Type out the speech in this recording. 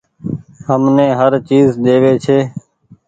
همني هر چئيز ۮيوي ڇي